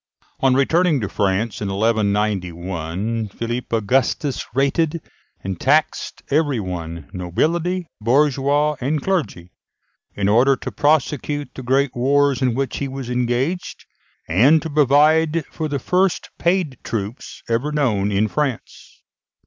On returning to France in 1191, Philip Augustus rated and taxed every one nobility, bourgeois, and clergy in order to prosecute the great wars in which he was engaged, and to provide for the first paid troops ever known in France.